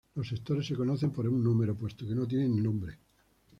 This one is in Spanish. Los sectores se conocen por un número, puesto que no tienen nombre.